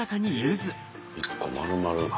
１個丸々。